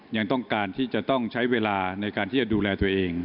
ยังต้องการที่จะต้องใช้เวลาในการที่จะดูแลตัวเอง